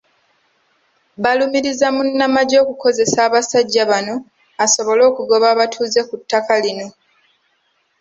Balumirizza munnamagye okukozesa abasajja bano asobole okugoba abatuuze ku ttaka lino.